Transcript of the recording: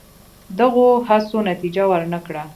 دغو هڅو نتیجه ور نه کړه.